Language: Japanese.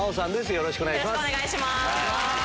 よろしくお願いします。